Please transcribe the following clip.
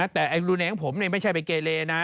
แต่รูแนงผมเนี่ยไม่ใช่เป็นเกเรนะ